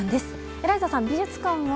エライザさん、美術館は？